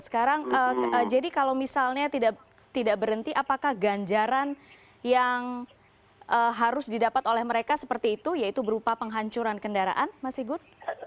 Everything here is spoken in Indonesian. sekarang jadi kalau misalnya tidak berhenti apakah ganjaran yang harus didapat oleh mereka seperti itu yaitu berupa penghancuran kendaraan mas igun